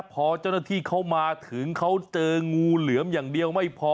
พอเจ้าหน้าที่เขามาถึงเขาเจองูเหลือมอย่างเดียวไม่พอ